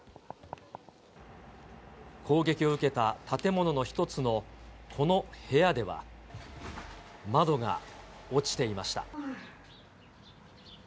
攻撃を受けた建物の一つのこの部屋では、窓が落ちていました。